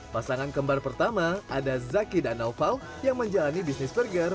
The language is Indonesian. pasangan kembar pertama ada zaki dan naufal yang menjalani bisnis burger